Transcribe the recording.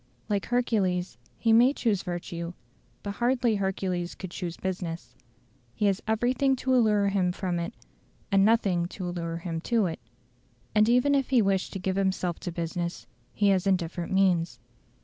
Like Hercules, he may choose virtue, but hardly Hercules could choose business. He has everything to allure him from it, and nothing to allure him to it. And even if he wish to give himself to business, he has indifferent means.